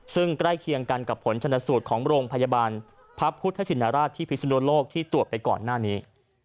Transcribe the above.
ซึ่งใกล้เคียงกันกับผลชนสูตรของโรงพยาบาลพระพุทธชินราชที่พิศนุโลกที่ตรวจไปก่อนหน้านี้